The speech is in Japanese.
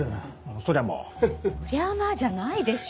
「そりゃまあ」じゃないでしょ！